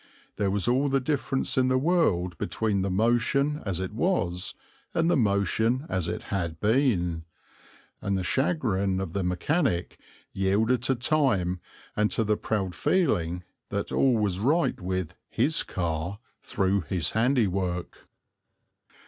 There was all the difference in the world between the motion as it was and the motion as it had been, and the chagrin of the mechanic yielded to time and to the proud feeling that all was right with "his car" through his handiwork.